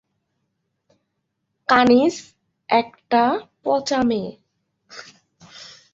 বিভীষিকাময় গণহত্যার চিহ্ন ফুটে ছিল সর্বত্র।